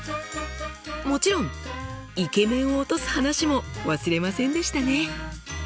もちろんイケメンを落とす話も忘れませんでしたね！